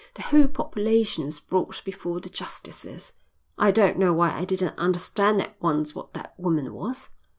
The whole population was brought before the justices. I don't know why I didn't understand at once what that woman was."